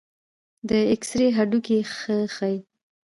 د ایکسرې هډوکي ښه ښيي.